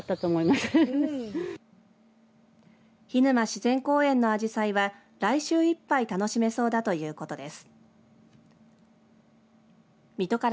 涸沼自然公園のあじさいは来週いっぱい楽しめそうだということです。